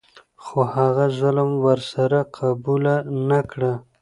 خو هغه ظلم ور سره قبوله نه کړه.